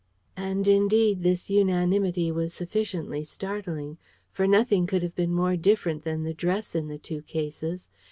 And indeed, this unanimity was sufficiently startling. For nothing could have been more different than the dress in the two cases.